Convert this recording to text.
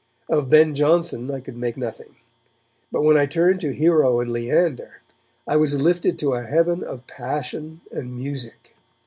Of Ben Jonson I could make nothing, but when I turned to 'Hero and Leander', I was lifted to a heaven of passion and music.